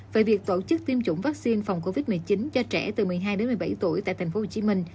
về việc tổ chức tiêm chủng vaccine phòng covid một mươi chín cho trẻ từ một mươi hai đến một mươi bảy tuổi tại tp hcm